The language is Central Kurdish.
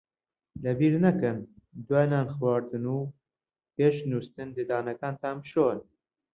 لەبیر نەکەن دوای نان خواردن و پێش نووستن ددانەکانتان بشۆن.